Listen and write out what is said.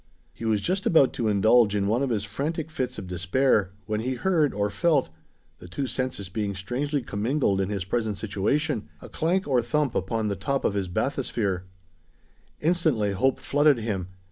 He was just about to indulge in one of his frantic fits of despair, when he heard or felt the two senses being strangely commingled in his present situation a clank or thump upon the top of his bathysphere. Instantly hope flooded him.